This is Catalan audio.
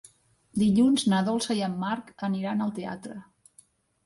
Dilluns na Dolça i en Marc aniran al teatre.